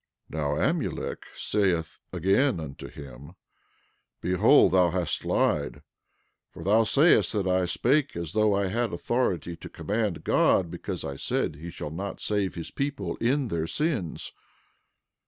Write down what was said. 11:36 Now Amulek saith again unto him: Behold thou hast lied, for thou sayest that I spake as though I had authority to command God because I said he shall not save his people in their sins.